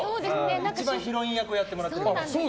一番ヒロイン役をやってもらっている。